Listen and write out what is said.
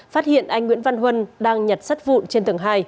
phát hiện anh nguyễn văn huân đang nhặt sắt vụn trên tầng hai